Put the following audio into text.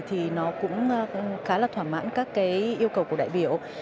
tôi cũng khá là thỏa mãn các yêu cầu của đại biểu